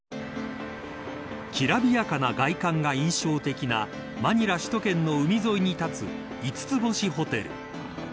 きらびやかな外観が印象的なマニラ首都圏の海沿いに建つ五つ星ホテル。